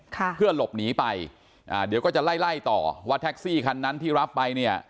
ค่ะเพื่อหลบหนีไปอ่าเดี๋ยวก็จะไล่ไล่ต่อว่าแท็กซี่คันนั้นที่รับไปเนี่ย